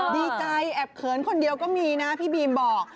ดีใจแอบเขินคนเดียวก็มีนะพี่บีมบอก